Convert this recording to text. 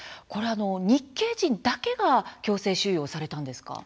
日系人だけが強制収容されたんですか？